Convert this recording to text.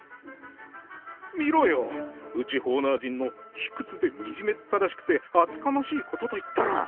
「見ろよ、内ホーナー人の卑屈でみじめったらしくて厚かましいことといったら。